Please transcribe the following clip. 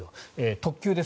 特急です。